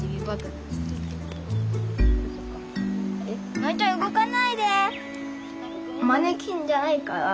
のえちゃん動かないで！